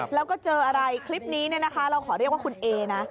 แล้วก็เจออะไรคลิปนี้เนี่ยนะคะเราขอเรียกว่าคุณเอนะ